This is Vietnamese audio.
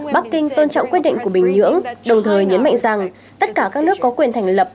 bắc kinh tôn trọng quyết định của bình nhưỡng đồng thời nhấn mạnh rằng tất cả các nước có quyền thành lập